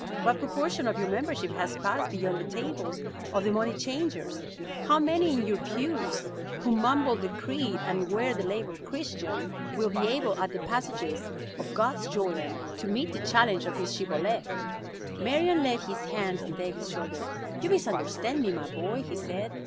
What proportion of your membership has passed beyond the tables of the money changers? How many in your pews, who mumble the creed and wear the label 'Christian,' will be able at the passages of God's Jordan to meet the challenge of his Shibboleth?" Marion laid his hand on David's shoulder. "You misunderstand me, my boy," he said.